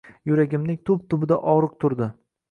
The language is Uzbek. yuragimning tub-tubida ogʻriq turdi.